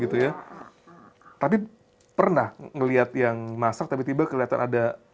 tapi pernah melihat yang masak tiba tiba kelihatan ada